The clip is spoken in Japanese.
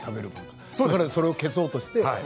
だからそれを消そうとして。